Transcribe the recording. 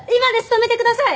止めてください！